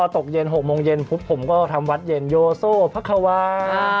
ตกเย็น๖โมงเย็นปุ๊บผมก็ทำวัดเย็นโยโซ่พระควา